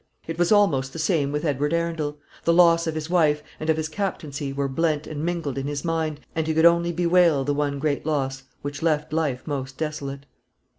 It was almost the same with Edward Arundel. The loss of his wife and of his captaincy were blent and mingled in his mind and he could only bewail the one great loss which left life most desolate.